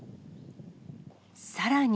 さらに。